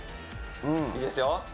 うんいいですよ